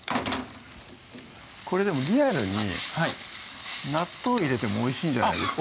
これでもリアルに納豆入れてもおいしいんじゃないですか？